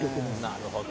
なるほど。